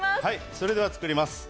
それでは作ります。